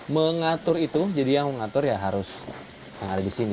mengatur itu jadi yang mengatur ya harus yang ada di sini